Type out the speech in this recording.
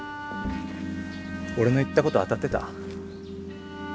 俺の言ったこと当たってた？